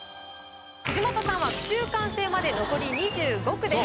藤本さんは句集完成まで残り２５句です。